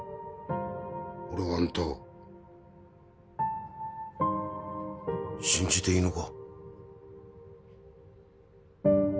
俺はアンタを信じていいのか？